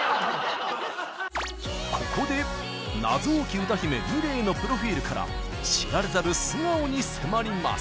ここで謎多き歌姫ｍｉｌｅｔのプロフィールから知られざる素顔に迫ります。